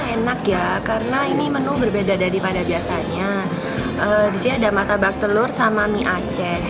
enak ya karena ini menu berbeda daripada biasanya disini ada martabak telur sama mie aceh